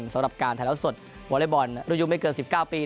สำหรับการถ่ายแล้วสดวอเล็กบอลรุ่นยุไม่เกิน๑๙ปี